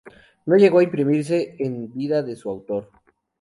No llegó a imprimirse en vida de su autor.